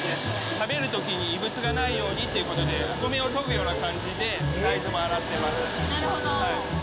食べるときに、異物がないようにっていうことで、お米を研ぐような感じで、なるほど。